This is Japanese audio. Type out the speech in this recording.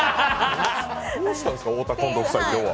どうしたんですか、太田・近藤夫妻、今日は。